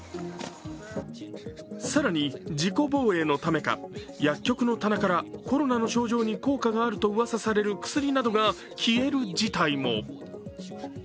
更に自己防衛のためか薬局の棚からコロナの症状に効果があるとうわさされる薬などが棚から消える事態も。